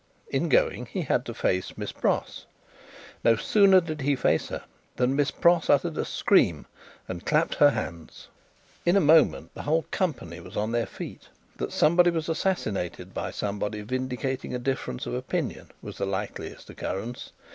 In going, he had to face Miss Pross. No sooner did he face her, than Miss Pross uttered a scream, and clapped her hands. In a moment, the whole company were on their feet. That somebody was assassinated by somebody vindicating a difference of opinion was the likeliest occurrence.